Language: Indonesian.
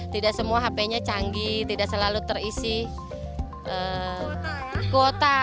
tidak semua hp nya canggih tidak selalu terisi kuota